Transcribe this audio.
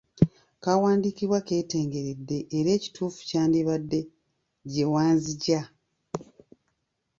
Kawandiikibwa keetengeredde era ekituufu kyandibadde 'gye wanzigya'.